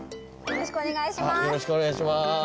よろしくお願いします。